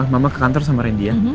mama ke kantor sama rendi ya